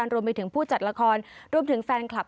รวมไปถึงผู้จัดละครรวมถึงแฟนคลับ